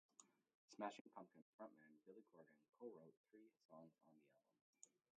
Smashing Pumpkins frontman Billy Corgan co-wrote three songs on the album.